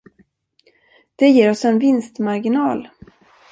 Det ger oss en vinstmarginal!